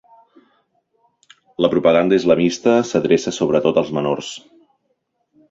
La propaganda islamista s'adreça sobretot als menors.